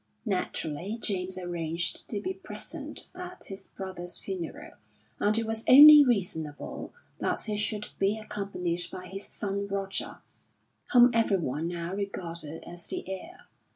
Naturally James arranged to be present at his brother's funeral and it was only reasonable that he should be accompanied by his son Roger, whom everyone now regarded as the heir.